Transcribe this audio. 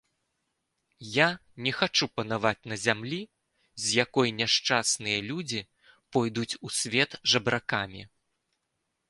Я не хачу панаваць на зямлі, з якой няшчасныя людзі пойдуць у свет жабракамі.